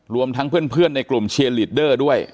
รวมทั้งเพื่อนในกลุ่มเชียร์ลีดเดอร์ด้วย